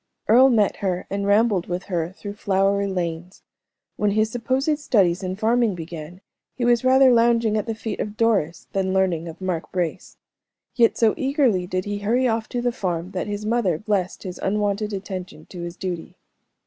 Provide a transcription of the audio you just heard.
Earle met her and rambled with her through flowery lanes. When his supposed studies in farming began, he was rather lounging at the feet of Doris than learning of Mark Brace; yet so eagerly did he hurry off to the farm, that his mother blessed his unwonted attention to his duty.